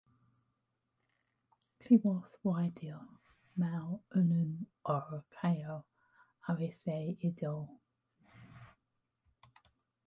Clywodd weiddi mawr yn un o'r caeau ar y dde iddo.